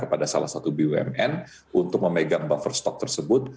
kepada salah satu bumn untuk memegang buffer stok tersebut